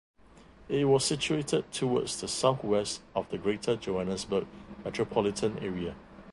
It was situated towards the south west of the Greater Johannesburg Metropolitan Area.